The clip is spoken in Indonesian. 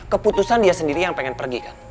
keputusan dia sendiri yang pengen pergi kan